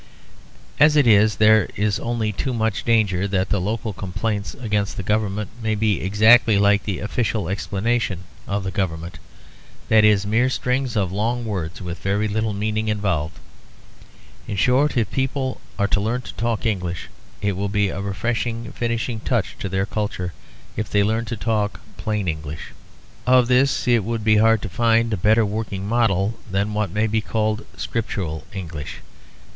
As it is there is only too much danger that the local complaints against the government may be exactly like the official explanations of the government; that is, mere strings of long words with very little meaning involved. In short, if people are to learn to talk English it will be a refreshing finishing touch to their culture if they learn to talk plain English. Of this it would be hard to find a better working model than what may be called scriptural English.